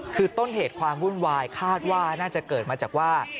คือต้นเหตุความวุ่นวายคาดว่าน่าจะเกิดมาจากว่า